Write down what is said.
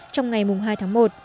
trong ngày hai tháng một